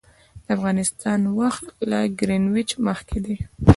د افغانستان وخت له ګرینویچ مخکې دی